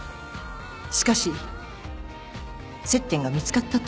しかし接点が見つかったと。